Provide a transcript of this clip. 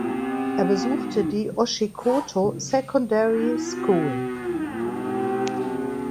Er besuchte die Oshikoto Secondary School.